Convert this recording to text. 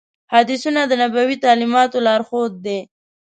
حدیثونه د نبوي تعلیماتو لارښود دي.